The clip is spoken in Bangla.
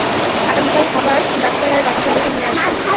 আগামীকাল খাবার, ডাক্তার আর বাকি সবাইকে নিয়ে আসবো।